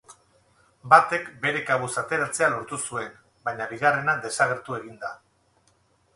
Batek bere kabuz ateratzea lortu zuen, baina bigarrena desagertu egin da.